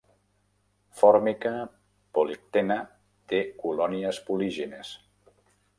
"Formica polyctena" té colònies polígines.